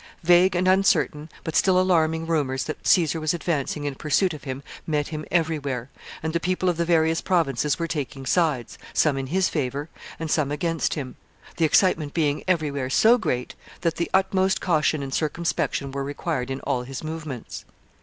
Vague and uncertain, but still alarming rumors that Caesar was advancing in pursuit of him met him every where, and the people of the various provinces were taking sides, some in his favor and some against him, the excitement being every where so great that the utmost caution and circumspection were required in all his movements.